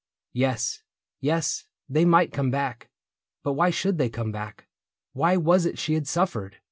Yes, Yes, They might come back. •.• But why should they come back ? Why was it she had suffered